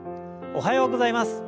おはようございます。